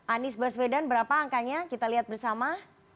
anies baswedan berapa angkanya kita lihat bersama